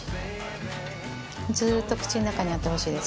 ずっと口の中にあってほしいです